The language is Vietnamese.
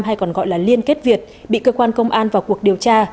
hay còn gọi là liên kết việt bị cơ quan công an vào cuộc điều tra